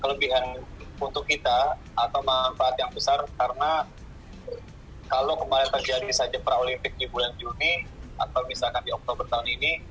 kelebihan untuk kita atau manfaat yang besar karena kalau kemarin terjadi saja para olimpik di bulan juni atau misalkan di oktober tahun ini